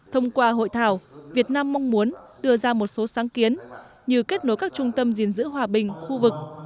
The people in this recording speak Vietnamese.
thông qua hội thảo việt nam mong muốn đưa ra một số sáng kiến như kết nối các trung tâm diện giữ hòa bình khu vực